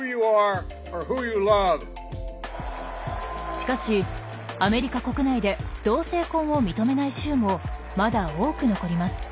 しかしアメリカ国内で同性婚を認めない州もまだ多く残ります。